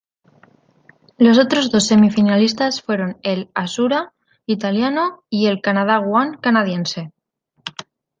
Los otros dos semifinalistas fueron el "Azzurra" italiano y el "Canada One" canadiense.